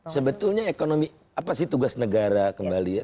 sebetulnya ekonomi apa sih tugas negara kembali ya